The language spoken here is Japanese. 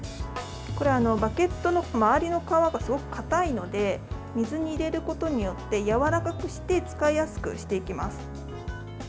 これは、バゲットの周りの皮がすごくかたいので水に入れることによってやわらかくして使いやすくしていきます。